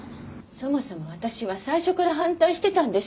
そもそも私は最初から反対してたんです。